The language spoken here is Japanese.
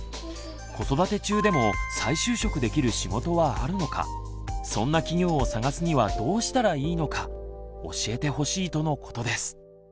子育て中でも再就職できる仕事はあるのかそんな企業を探すにはどうしたらいいのか教えてほしいとのことです。